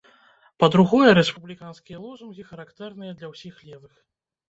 Па-другое, рэспубліканскія лозунгі характэрныя для ўсіх левых.